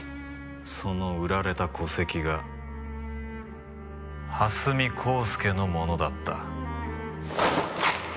その売られた戸籍が蓮見光輔のものだった。